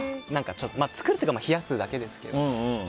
作るっていうか冷やすだけですけど。